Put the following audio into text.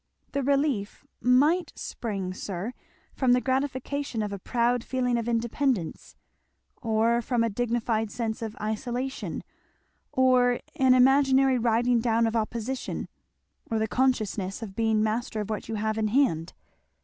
"The relief might spring, sir, from the gratification of a proud feeling of independence, or from a dignified sense of isolation, or an imaginary riding down of opposition or the consciousness of being master of what you have in hand."